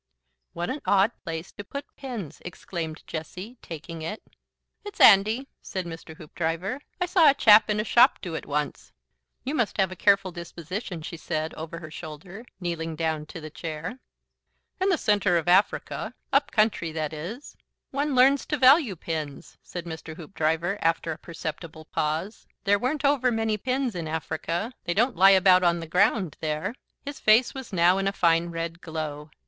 "What an odd place to put pins!" exclaimed Jessie, taking it. "It's 'andy," said Mr. Hoopdriver. "I saw a chap in a shop do it once." "You must have a careful disposition," she said, over her shoulder, kneeling down to the chair. "In the centre of Africa up country, that is one learns to value pins," said Mr. Hoopdriver, after a perceptible pause. "There weren't over many pins in Africa. They don't lie about on the ground there." His face was now in a fine, red glow.